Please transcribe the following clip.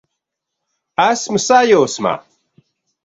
Esmu sajūsmā!